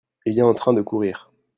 Il est en train de courrir.